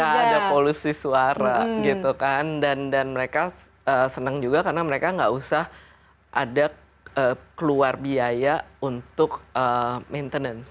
ya ada polusi suara gitu kan dan mereka senang juga karena mereka nggak usah ada keluar biaya untuk maintenance